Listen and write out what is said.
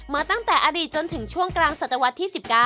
ตั้งแต่อดีตจนถึงช่วงกลางศตวรรษที่๑๙